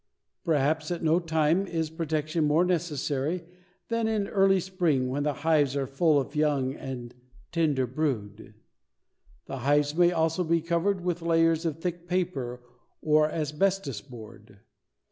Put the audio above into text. Perhaps at no time is protection more necessary than in early spring when the hives are full of young and tender brood. The hives may also be covered with layers of thick paper or asbestos board.